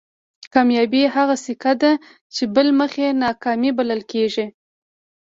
کامیابي هغه سکه ده چې بل مخ یې ناکامي بلل کېږي.